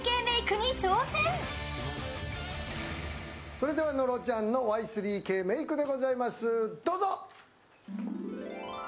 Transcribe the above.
それでは野呂ちゃんのＹ３Ｋメークでございます、どうぞ！